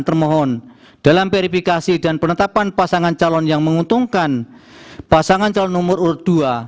termohon dalam verifikasi dan penetapan pasangan calon yang menguntungkan pasangan calon nomor urut dua